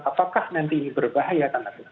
apakah nanti ini berbahaya